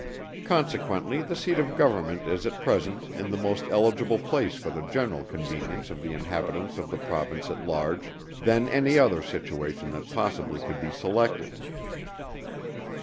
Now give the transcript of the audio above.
Consequently the seat of Government is at present in the most eligible place for the general convenience of the inhabitants of the Province at large, than any other situation that possibly could be selected.